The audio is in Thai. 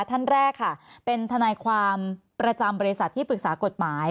ท่านแรกค่ะเป็นทนายความประจำบริษัทที่ปรึกษากฎหมาย